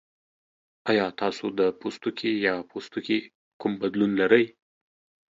ایا تاسو د پوستکي یا پوستکي کوم بدلون لرئ؟